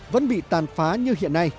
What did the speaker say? vẫn bị tàn phá như hiện nay